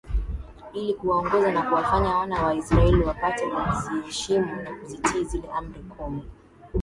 ili kuwaongoza na kuwafanya wana wa Israel wapate kuziheshimu na kuzitii Zile amri kumi